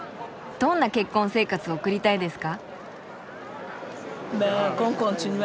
どんな結婚生活を送りたいですか？